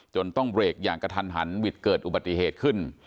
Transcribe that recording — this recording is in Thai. ต้องเบรกอย่างกระทันหันวิทย์เกิดอุบัติเหตุขึ้น